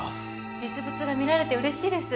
実物が見られて嬉しいです